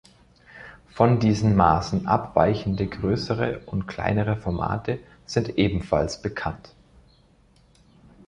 Von diesen Maßen abweichende größere und kleinere Formate sind ebenfalls bekannt.